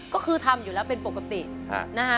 ก็คือทำอยู่แล้วเป็นปกตินะคะ